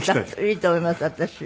いいと思います私。